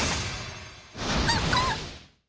あっ！